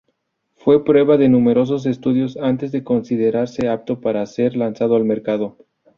Fue prueba de numerosos estudios antes de considerarse apto para ser lanzado al mercado.